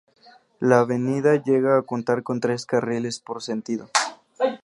La avenida llega a contar con tres carriles por sentido.